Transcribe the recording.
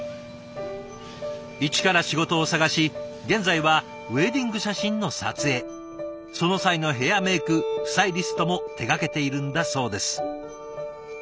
イチから仕事を探し現在はウエディング写真の撮影その際のヘアメークスタイリストも手がけているんだそうです。